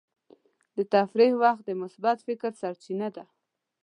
د تفریح وخت د مثبت فکر سرچینه ده.